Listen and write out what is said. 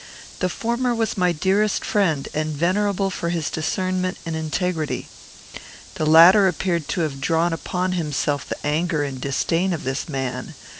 The former was my dearest friend, and venerable for his discernment and integrity. The latter appeared to have drawn upon himself the anger and disdain of this man.